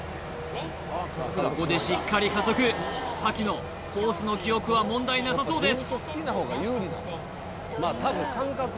ここでしっかり加速瀧野コースの記憶は問題なさそうです